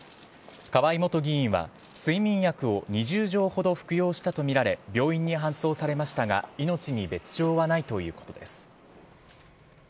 河井元議員は睡眠薬を２０錠ほど服用したとみられ病院に搬送されましたが命に別条はないということです。